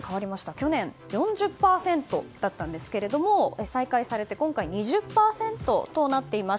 去年４０％だったんですが再開されて今回、２０％となっています。